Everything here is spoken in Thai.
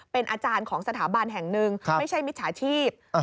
เป็นอาจารย์ของสถาบันแห่งหนึ่งไม่ใช่มิจฉาชีพ